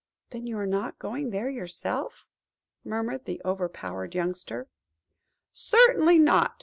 "Then you are not going there yourself? " murmured the overpowered youngster. "Certainly not.